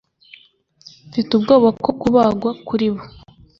Mfite ubwoba ko kubagwa kuri bo